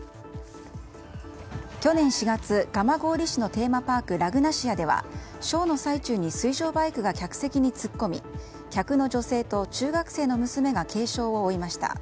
去年４月、蒲郡市のテーマパーク、ラグナシアではショーの最中に水上バイクが客席に突っ込み客の女性と中学生の娘が軽傷を負いました。